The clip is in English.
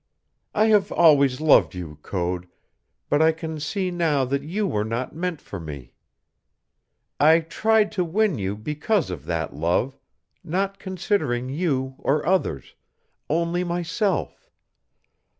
I have always loved you, Code, but I can see now that you were not meant for me. I tried to win you because of that love, not considering you or others only myself.